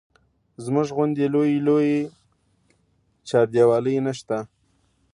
زموږ غوندې لویې لویې چاردیوالۍ نه شته.